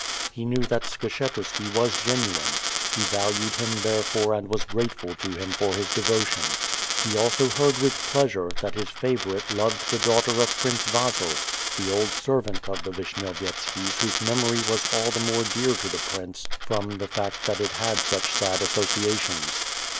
He knew that Skshetuski was genuine — he valued him there fore and was grateful to him for his devotion. He also hoard with pleasure, that his favorite loved the daughter of Prince Vasil, the old servant of the Vishnovyetskis whose memory was all the more dear to the Prince from the fact that it had such sad associations.